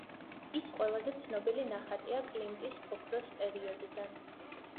ის ყველაზე ცნობილი ნახატია კლიმტის „ოქროს პერიოდიდან“.